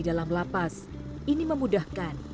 dalam lapas ini memudahkan